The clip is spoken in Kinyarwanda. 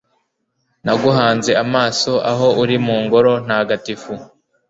Naguhanze amaso aho uri mu Ngoro ntagatifu